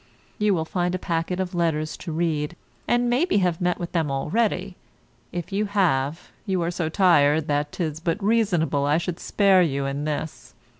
You will find a packet of letters to read, and maybe have met with them already. If you have, you are so tired that 'tis but reasonable I should spare you in this.